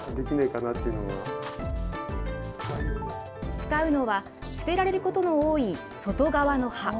使うのは、捨てられることの多い外側の葉。